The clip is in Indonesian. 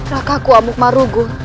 rangkaku amuk marugul